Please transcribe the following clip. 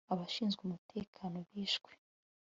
Abashinzwe umutekano bishwe